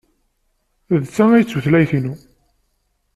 D ta ay d tutlayt-inu.